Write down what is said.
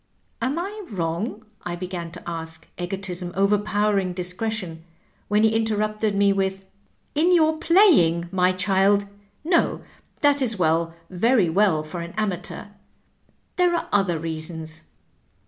" Am I wrong ?" I began to ask, egotism overpower ing discretion, when he interrupted me with, " In your playing, my child ? No, that is well, very well for an amateur. There are other reasons."